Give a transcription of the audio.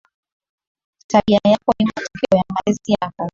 Tabia yako ni matokeo ya malezi yako